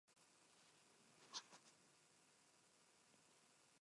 Posteriormente, la capital se trasladó a Kutaisi.